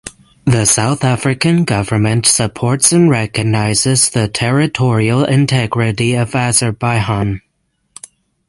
The South African government supports and recognizes the territorial integrity of Azerbaijan.